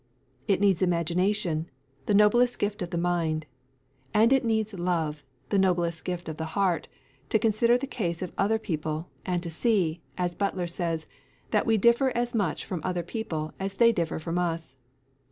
It needs imagination, the noblest gift of the mind, and it needs love, the noblest grace of the heart, to consider the case of other people, and to see, as Butler says, that we differ as much from other people as they differ from us.